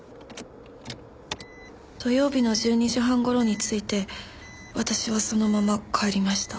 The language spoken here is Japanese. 土曜日の１２時半頃に着いて私はそのまま帰りました。